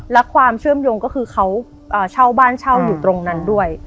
และความเชื่อมโยงก็คือเขาเช่าบ้านเช่าอยู่ตรงนั้นด้วย